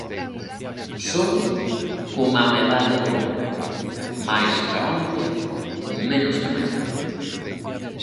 Son coma a medalla do amor: máis ca onte, menos ca mañá.